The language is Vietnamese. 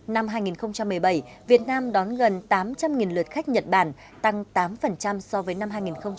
năm hai nghìn một mươi bảy việt nam đón gần tám trăm linh lượt khách nhật bản tăng tám so với năm hai nghìn một mươi bảy